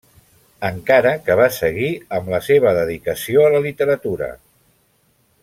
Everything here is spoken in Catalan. Encara que va seguir amb la seva dedicació la literatura.